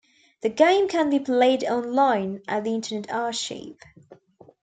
The game can be played online at the Internet Archive.